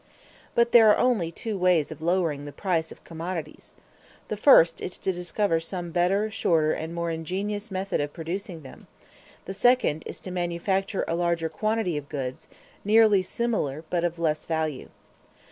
But there are only two ways of lowering the price of commodities. The first is to discover some better, shorter, and more ingenious method of producing them: the second is to manufacture a larger quantity of goods, nearly similar, but of less value.